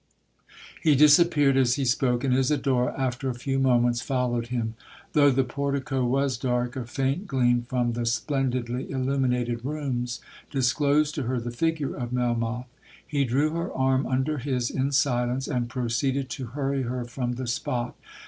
He disappeared as he spoke, and Isidora, after a few moments, followed him. Though the portico was dark, a faint gleam from the splendidly illuminated rooms disclosed to her the figure of Melmoth. He drew her arm under his in silence, and proceeded to hurry her from the spot.